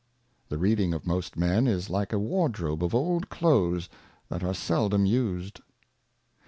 The Reading of most Men, is like a Wardrobe of old Cloaths that are seldom used.